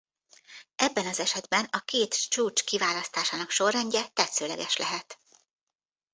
Ebben az esetben a két csúcs kiválasztásának sorrendje tetszőleges lehet.